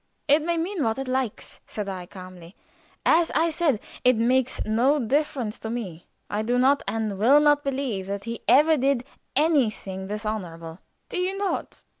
"It may mean what it likes," said I, calmly. "As I said, it makes no difference to me. I do not and will not believe that he ever did anything dishonorable." "Do you not?"